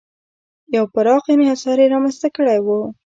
یو پراخ انحصار یې رامنځته کړی و.